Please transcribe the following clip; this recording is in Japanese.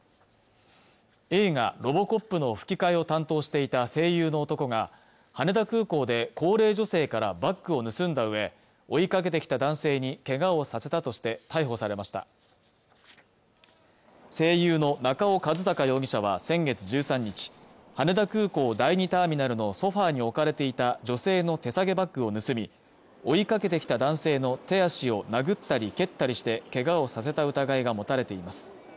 映画「ロボコップ」の吹き替えを担当していた声優の男が羽田空港で高齢女性からバッグを盗んだうえ追いかけてきた男性にけがをさせたとして逮捕されました声優の中尾和貴容疑者は先月１３日羽田空港第２ターミナルのソファに置かれていた女性の手提げバッグを盗み追いかけてきた男性の手足を殴ったり蹴ったりしてけがをさせた疑いが持たれています